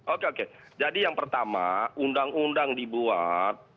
orang yang dibuat